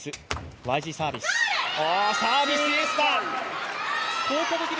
サービスエースだ！